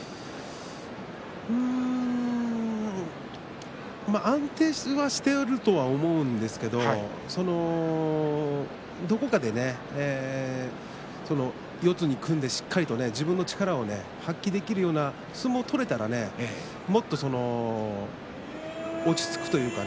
うーん安定していると思うんですけれどどこかで四つに組んでしっかりと自分の力を発揮できるような相撲が取れたらもっと落ち着くというか